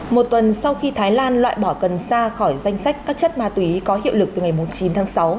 một tuần sau khi thái lan loại bỏ cần xa khỏi danh sách các chất ma túy có hiệu lực từ ngày chín tháng sáu